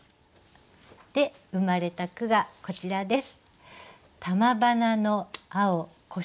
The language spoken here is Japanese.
で生まれた句がこちらです。